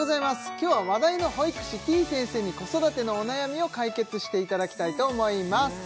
今日は話題の保育士てぃ先生に子育てのお悩みを解決していただきたいと思います